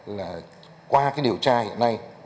là qua cái điều tra hiện nay